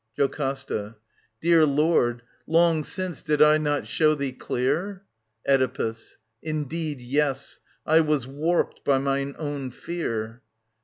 JOCASTA. Dear Lord, long since did I not show thee clear ...? Oedipus. Indeed, yes. I was warped by mine own fear.